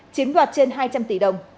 chiếm đoạt trên hai trăm linh tỷ đồng